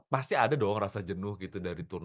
pasti ada dong rasa jenuh gitu dari